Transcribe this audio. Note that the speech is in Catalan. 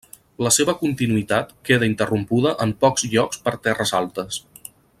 La seva continuïtat queda interrompuda en pocs llocs per terres altes.